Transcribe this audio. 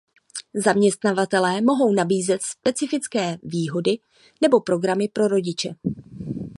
Zaměstnavatelé mohou nabízet specifické výhody nebo programy pro rodiče.